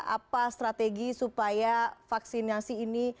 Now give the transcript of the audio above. apa strategi supaya vaksinasi ini